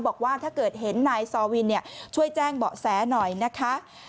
บอกว่าถ้าเกิดเห็นนายซอวินช่วยแจ้งเบาะแสหน่อยนะคะ